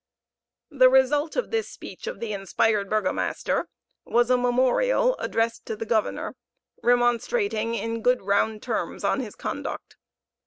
The result of this speech of the inspired burgomaster was a memorial addressed to the governor, remonstrating in good round terms on his conduct.